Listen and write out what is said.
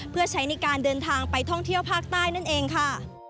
เพื่อใช้ในการเดินทางไปท่องเที่ยวภาคใต้นั่นเองค่ะ